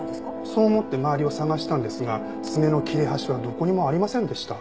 そう思って周りを探したんですが爪の切れ端はどこにもありませんでした。